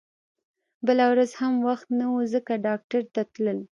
بله ورځ هم وخت نه و ځکه ډاکټر ته تلل